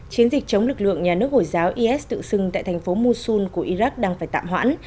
chiến dịch chống lực lượng nhà nước hồi giáo is tự xưng tại thành phố mushun của iraq đang phải tạm hoãn